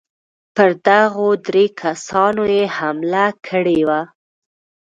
پر دغو درېو کسانو یې حمله کړې وه.